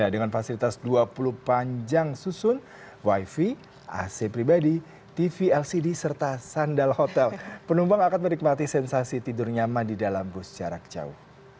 dengan fasilitas dua puluh panjang susun wifi ac pribadi tv lcd serta sandal hotel penumpang akan menikmati sensasi tidur nyaman di dalam bus jarak jauh